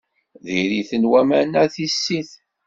Diri-ten waman-a i tissit.